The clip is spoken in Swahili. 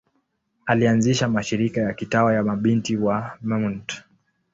Alianzisha mashirika ya kitawa ya Mabinti wa Mt.